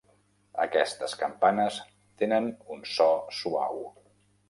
Aquestes campanes tenen un so suau.